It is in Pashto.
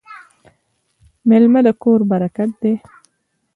میلمه د کور برکت دی.